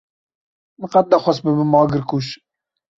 Min qet nexwest bibim agirkuj.